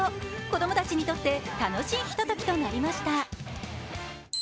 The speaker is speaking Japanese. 子供たちにとって楽しいひとときとなりました。